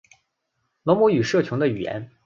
罗姆语社群的语言。